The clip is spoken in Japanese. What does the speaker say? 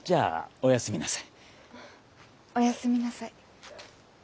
おやすみなさい。